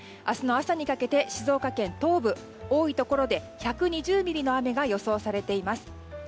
明日の朝にかけて静岡県東部多いところで１２０ミリの雨が予想されています。